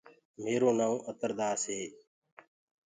ميرو نآئونٚ اتر داس هي.